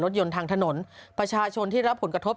รถยนต์ทางถนนประชาชนที่รับผลกระทบ